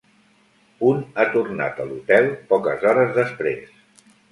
Un ha tornat a l’hotel poques hores després.